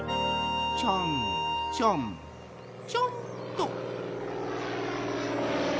ちょんちょんちょんと。